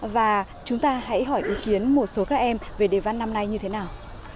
và chúng ta hãy hỏi ý kiến một số các em về đề văn năm nay như thế nào